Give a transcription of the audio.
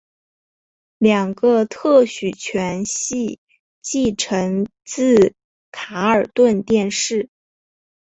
两个特许权系继承自卡尔顿电视。